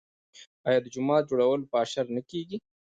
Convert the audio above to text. آیا د جومات جوړول په اشر نه کیږي؟